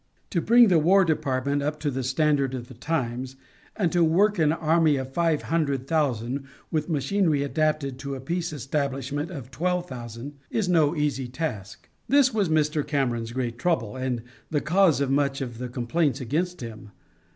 To bring the War Department up to the standard of the times, and work an army of five hundred thousand with machinery adapted to a peace establishment of twelve thousand, is no easy task. This was Mr. Cameron's great trouble, and the cause of much of the complaints against him.